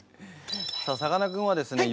さあさかなクンはですね